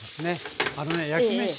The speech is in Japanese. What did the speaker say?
あのね焼きめし